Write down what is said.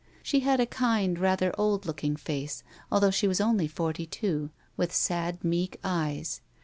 She had a kind, rather old looking face, although she was only forty two, with sad, meek eyes.